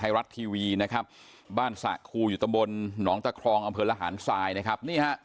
ข่าวแนวไทยรัสทีวีนะครับบ้านสะครู้อยู่ตระบนหนองตระคองอำเผินอาหารสายนะครับ